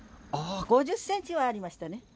５０センチはありましたね。